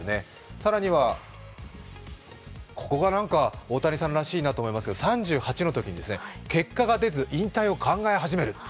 更には、ここが大谷さんらしいなと思うのは３８のときに、結果が出ず、引退を考え始める。